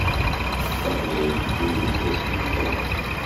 D taqbaylit i d lsas-nteɣ.